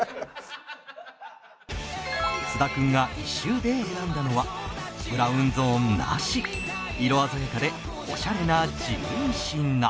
菅田君が一周で選んだのはブラウンゾーンなし色鮮やかでオシャレな１２品